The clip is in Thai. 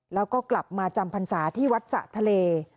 แล้วก็กลับมาจำพรรษาที่วัดสะทะเล